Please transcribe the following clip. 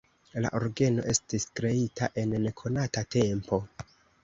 La orgeno estis kreita en nekonata tempo.